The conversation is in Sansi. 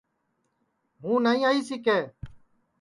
ہوں نائی آئی سِکے